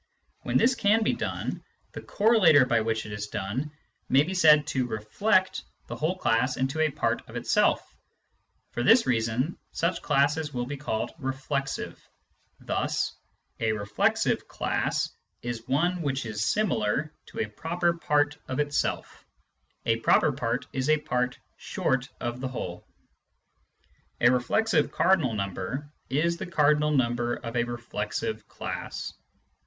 When this can be done, 80 Introduction to Mathematical Philosophy the correlator by which it is done may be said to " reflect " the whole class into a part of itself ; for this reason, such classes will be called " reflexive." Thus : A " reflexive " class is one which is similar to a proper part of itself. (A " proper part " is a part short of the whole.) A " reflexive " cardinal number is the cardinal number of a reflexive class.